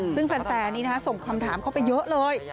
ซึ่งแฟนนี้ส่งคำถามเข้าไปเยอะเลย